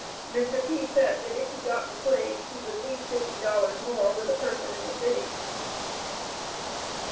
Mr. P. said that if he got the slave he would leave fifty dollars more with a person in the city.